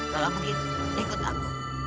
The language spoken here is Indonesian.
kalau begitu ikut aku